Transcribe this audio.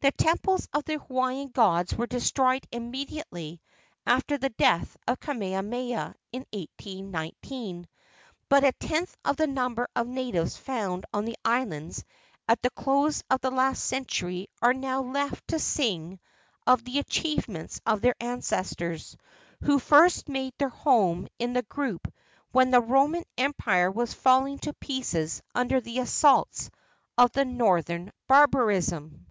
The temples of the Hawaiian gods were destroyed immediately after the death of Kamehameha, in 1819, and but a tenth of the number of natives found on the islands at the close of the last century are now left to sing of the achievements of their ancestors, who first made their home in the group when the Roman Empire was falling to pieces under the assaults of Northern barbarism.